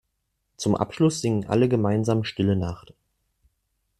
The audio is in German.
Zum Abschluss singen alle gemeinsam Stille Nacht.